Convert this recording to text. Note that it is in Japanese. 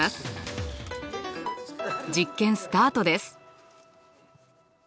実験スタートです。